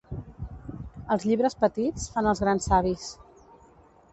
Els llibres petits fan els grans savis.